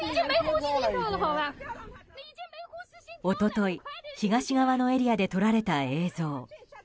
一昨日、東側のエリアで撮られた映像。